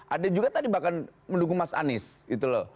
ada juga tadi bahkan mendukung mas anies gitu loh